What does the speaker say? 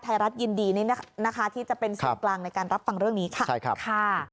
ไทยรัฐยินดีที่จะเป็นศพกลางในการรับฟังเรื่องนี้ค่ะ